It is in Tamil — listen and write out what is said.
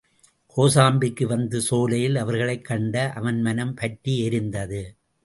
கோசாம்பிக்கு வந்து சோலையில் அவர்களைக் கண்ட அவன் மனம் பற்றி எரிந்தது.